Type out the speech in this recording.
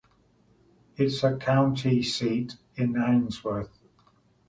Its county seat is Ainsworth.